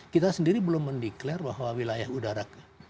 kita sendiri belum mendeklarasi bahwa wilayah udara